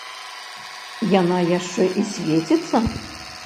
Яна яшчэ і свеціцца!